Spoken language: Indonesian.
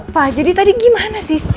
pak jadi tadi gimana sih